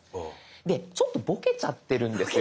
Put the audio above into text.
でちょっとボケちゃってるんですよ。